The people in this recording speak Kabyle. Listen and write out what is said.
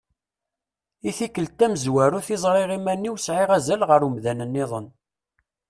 I tikkelt tamezwarut i ẓriɣ iman-iw sɛiɣ azal ɣer umdan-nniḍen.